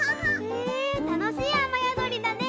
へぇたのしいあまやどりだね！